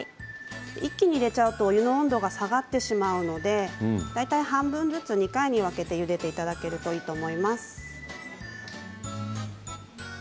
一気にゆでるとお湯の温度が下がってしまいますので半分ずつ２回に分けてゆでていただけるといいと思います。